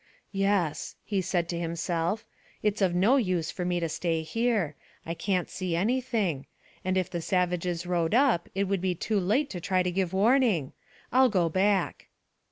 "Yes," he said to himself, "it's of no use for me to stay here. I can't see anything, and if the savages rode up it would be too late to try to give warning. I'll go back."